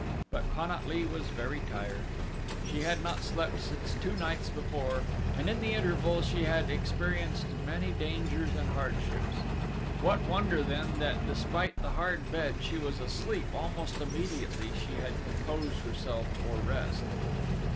But Pan at lee was very tired. She had not slept since two nights before and in the interval she had experienced many dangers and hardships. What wonder then that despite the hard bed, she was asleep almost immediately she had composed herself for rest.